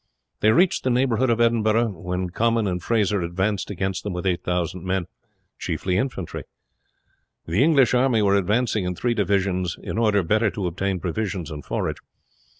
They reached the neighbourhood of Edinburgh, when Comyn and Fraser advanced against them with 8000 men, chiefly infantry. The English army were advancing in three divisions, in order better to obtain provisions and forage.